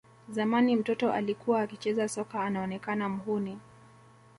Zamani mtoto alikuwa akicheza soka anaonekana mhuni